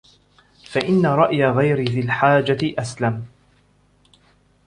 فَإِنَّ رَأْيَ غَيْرِ ذِي الْحَاجَةِ أَسْلَمُ